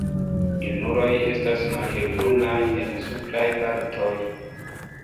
Junuloj estas malhelbrunaj en supraj partoj.